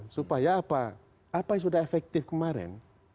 supaya apa apa yang sudah efektif kemarin